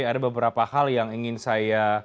ada beberapa hal yang ingin saya